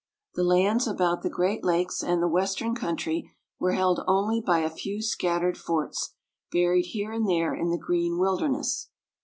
The lands about the Great Lakes, and the western country, were held only by a few scattered forts, buried here and there in the green wilderness.